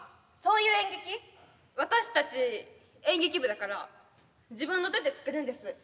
私たち演劇部だから自分の手で作るんです。